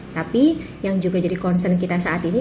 tapi yang juga jadi concern kita saat ini